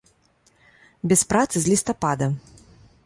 Без працы з лістапада.